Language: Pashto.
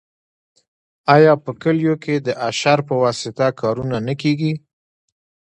آیا په کلیو کې د اشر په واسطه کارونه نه کیږي؟